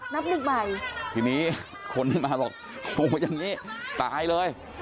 นับหนึ่งใหม่ทีนี้คนที่มาบอกโอ้อย่างนี้ตายเลย